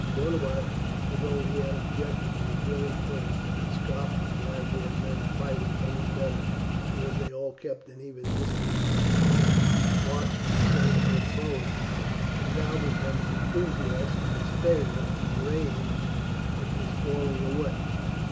Boduoc, although he had objected to the drill at first, and had scoffed at the idea of men fighting any better because they all kept an even distance from each other, and marched with the same foot forward, had now become an enthusiast in its favour and raged at this falling away.